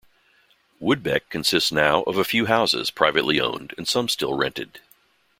Woodbeck consists now of a few houses privately owned and some still rented.